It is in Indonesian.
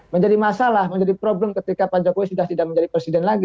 menjadi masalah menjadi problem ketika pak jokowi sudah tidak menjadi presiden lagi